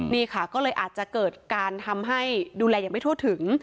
นี่ค่ะก็เลยอาจจะเกิดการทำให้ดูแลอย่างไม่ทั่วถึง